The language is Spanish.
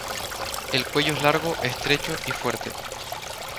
El cuello es largo, estrecho y fuerte.